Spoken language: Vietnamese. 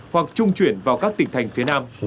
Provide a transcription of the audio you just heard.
hoặc trung chuyển vào các tỉnh thành phía nam